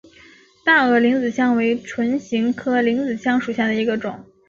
大萼铃子香为唇形科铃子香属下的一个种。